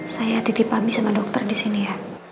saya titip abi sama dokter disini ya